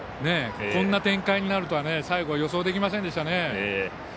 こんな展開になるとは最後、予想できませんでしたね。